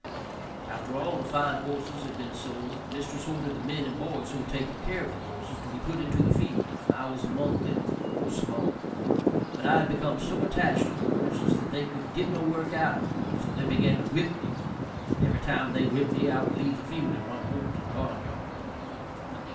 After all the fine horses had been sold, mistress ordered the men and boys who were taking care of the horses to be put into the field, and I was among them, though small; but I had become so attached to the horses that they could get no work out of me, so they began to whip me, but every time they whipped me I would leave the field and run home to the barn yard.